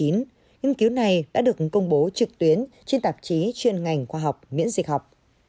nghiên cứu này đã được công bố trực tuyến trên tạp chí chuyên ngành khoa học miễn dịch học